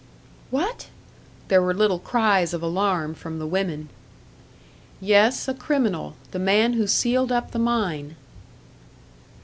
"What?" There were little cries of alarm from the women. "Yes, a criminal; the man who sealed up the mine."